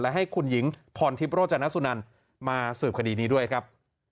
และให้คุณหญิงพรทิพย์โรจนสุนันมาสืบคดีนี้ด้วยครับ